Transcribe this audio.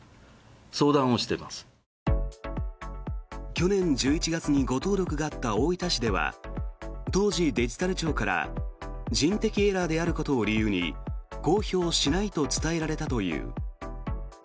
去年１１月に誤登録があった大分市では当時、デジタル庁から人的エラーであることを理由に公表しないと伝えられたという。